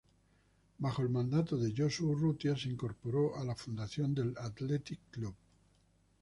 Bajo el mandato de Josu Urrutia, se incorporó a la Fundación del Athletic Club.